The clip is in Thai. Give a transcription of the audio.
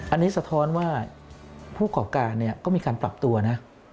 อันนี้สะท้อนว่าผู้ก่อการก็มีการปรับตัวนะ